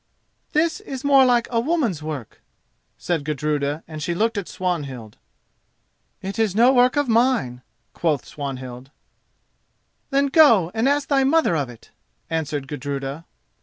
"This is more like a woman's work," said Gudruda, and she looked at Swanhild. "It is no work of mine," quoth Swanhild. "Then go and ask thy mother of it," answered Gudruda.